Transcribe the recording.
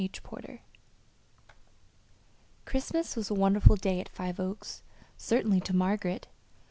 CHAPTER XI Christmas was a wonderful day at Five Oaks, certainly to Margaret.